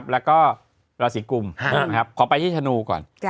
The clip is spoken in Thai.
แล้วก็ราศีกุมขอไปที่ธนูก่อน